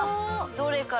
どれから？